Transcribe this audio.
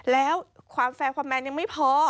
แล้วความแฟร์ความแมนยังไม่พอ